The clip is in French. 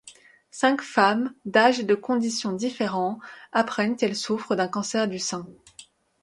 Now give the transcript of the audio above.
Cinq femmes, d'âges et de conditions différents, apprennent qu'elles souffrent d'un cancer du sein.